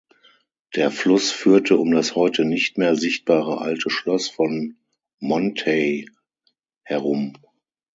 Der Fluss führte um das heute nicht mehr sichtbare alte Schloss von Monthey herum.